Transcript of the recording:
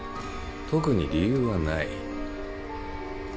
特に理由はない。